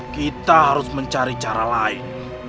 kita harus mencari cara lain